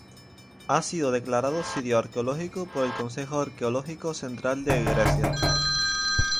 Ha sido declarado sitio arqueológico por el Consejo Arqueológico Central de Grecia.